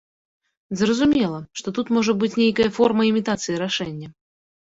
Зразумела, што тут можа быць нейкая форма імітацыі рашэння.